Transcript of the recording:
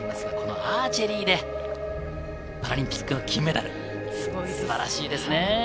アーチェリーでパラリンピックの金メダル、素晴らしいですね。